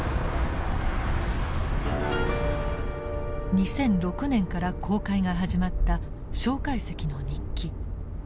２００６年から公開が始まった介石の日記。